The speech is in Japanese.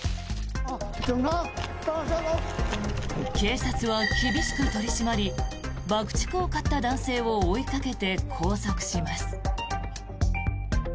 警察は厳しく取り締まり爆竹を買った男性を追いかけて拘束します。